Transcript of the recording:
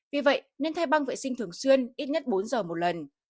vì vậy nên thay băng vệ sinh thường xuyên ít nhất bốn giờ một lần